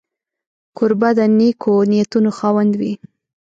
کوربه د نېکو نیتونو خاوند وي.